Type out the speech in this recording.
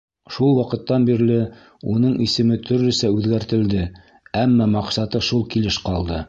Шул ваҡыттан бирле уның исеме төрлөсә үҙгәртелде, әммә маҡсаты шул килеш ҡалды.